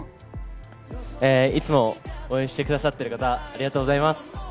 いつも応援してくださっている方、ありがとうございます。